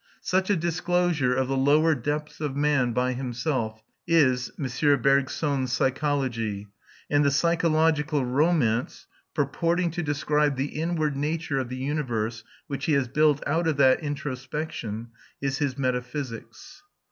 Such a disclosure of the lower depths of man by himself is M. Bergson's psychology; and the psychological romance, purporting to describe the inward nature of the universe, which he has built out of that introspection, is his metaphysics.